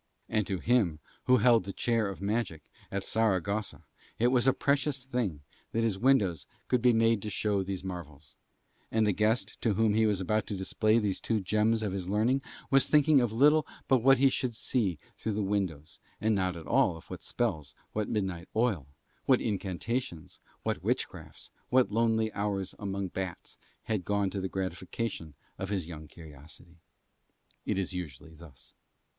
And to him who held the Chair of Magic at Saragossa it was a precious thing that his windows could be made to show these marvels, while the guest to whom he was about to display these two gems of his learning was thinking of little but what he should see through the windows, and not at all of what spells, what midnight oil, what incantations, what witchcrafts, what lonely hours among bats, had gone to the gratification of his young curiosity. It is usually thus.